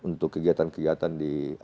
untuk kegiatan kegiatan di